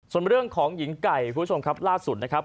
ส่วนเรื่องของหญิงไก่คุณผู้ชมครับล่าสุดนะครับ